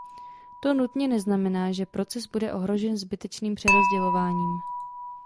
To nutně neznamená, že proces bude ohrožen zbytečným přerozdělováním.